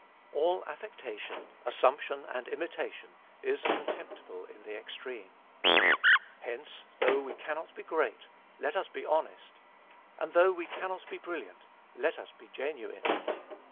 All affectation, assumption, and imitation, is contemptible in the extreme. Hence, though we cannot be great, let us be honest; and though we cannot be brilliant, let us be genuine.